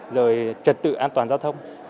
rồi trật tự an toàn giao thông